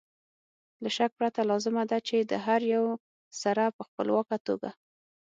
له شک پرته لازمه ده چې د هر یو سره په خپلواکه توګه